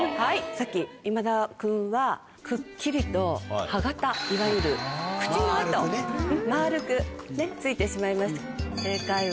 さっき今田君はくっきりと歯形いわゆる口のあと丸くついてしまいました。